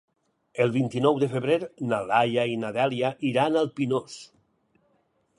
El vint-i-nou de febrer na Laia i na Dèlia iran al Pinós.